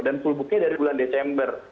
dan full booknya dari bulan desember